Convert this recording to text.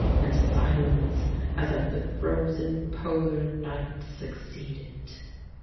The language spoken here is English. And silence as of the frozen Polar night succeeded. .